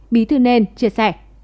bí thư nên chia sẻ